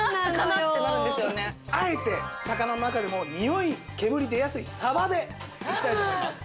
あえて魚の中でもにおい煙出やすいサバでいきたいと思います。